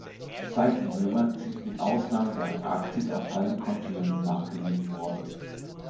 Saitenwürmer sind mit Ausnahme der Antarktis auf allen Kontinenten nachgewiesen worden.